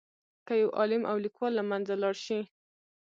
که یو عالم او لیکوال له منځه لاړ شي.